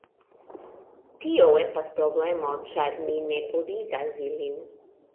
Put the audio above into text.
Tio estas problemo ĉar mi ne purigas ilin